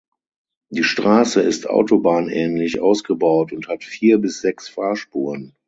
Die Straße ist autobahnähnlich ausgebaut und hat vier bis sechs Fahrspuren.